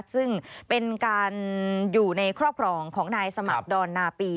ซึ่งเป็นการอยู่ในครอบครองของนายสมัครดอนนาปี